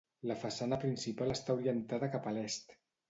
La façana principal està orientada cap a l'est.